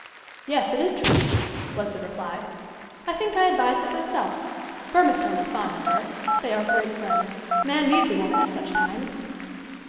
"Yes, it is true," was the reply: "I think I advised it myself. Burmistone is fond of her. They are great friends. Man needs a woman at such times."